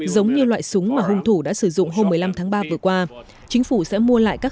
giống như loại súng mà hung thủ đã sử dụng hôm một mươi năm tháng ba vừa qua chính phủ sẽ mua lại các